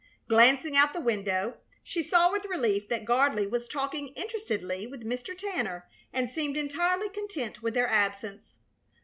Glancing out the window, she saw with relief that Gardley was talking interestedly with Mr. Tanner and seemed entirely content with their absence.